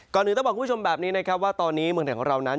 อื่นต้องบอกคุณผู้ชมแบบนี้นะครับว่าตอนนี้เมืองไทยของเรานั้น